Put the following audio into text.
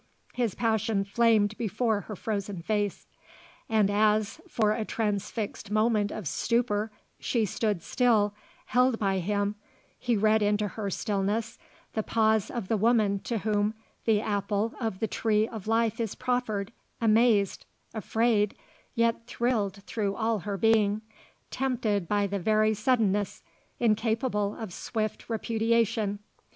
His passion flamed before her frozen face. And as, for a transfixed moment of stupor, she stood still, held by him, he read into her stillness the pause of the woman to whom the apple of the tree of life is proffered, amazed, afraid, yet thrilled through all her being, tempted by the very suddenness, incapable of swift repudiation.